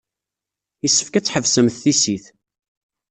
Yessefk ad tḥebsemt tissit.